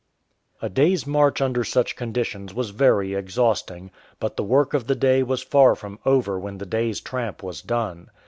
A day's march under such conditions was very exhaust ing ; but the work of the day was far from over when the day'*s tramp was done.